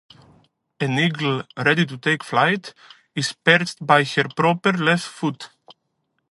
An eagle ready to take flight is perched by her proper left foot.